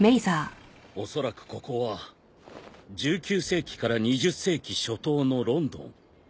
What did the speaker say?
おそらくここは１９世紀から２０世紀初頭のロンドン。